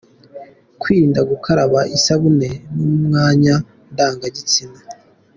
Kwirinda gukaraba isabune mu myanya ndangagitsina.